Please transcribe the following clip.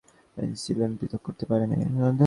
তিনি ছাঁচ থেকে তৈরি হওয়া পেনিসিলিন পৃথক করতে পারেন নি।